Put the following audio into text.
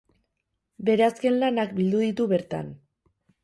Bere azken lanak bildu ditu bertan.